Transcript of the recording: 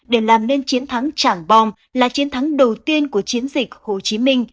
để làm nên chiến thắng chẳng bom là chiến thắng đầu tiên của chiến dịch hồ chí minh